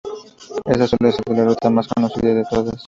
Esta suele ser la ruta más conocida de todas.